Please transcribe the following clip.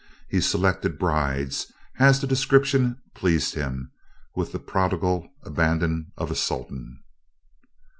He selected brides, as the description pleased him, with the prodigal abandon of a sultan.